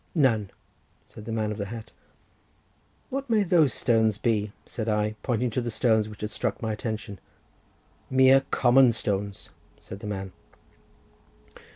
"None," said the man of the hat. "What may those stones be?" said I, pointing to the stones which had struck my attention. "Mere common rocks," said the man.